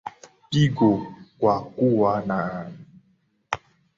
pigo kwa kuwa mikakati aliyokuwa nayo Ruge katika kuiboresha sekta ya afya nchini